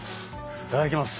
いただきます。